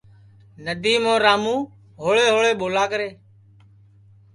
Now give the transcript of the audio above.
ندیم اور راموں ہوݪے ہوݪے ٻولا کرے